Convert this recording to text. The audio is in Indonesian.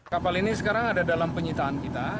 kapal ini sekarang ada dalam penyitaan kita